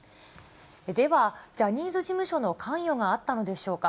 では、ジャニーズ事務所の関与があったのでしょうか。